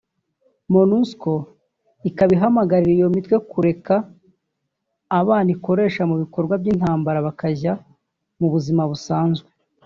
Monusco ikaba ihamagarira iyo mitwe kureka abana ikoresha mu bikorwa by’intambara bakajya mu buzima busanzwe